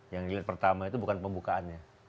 yang jilid pertama itu bukan pembukaannya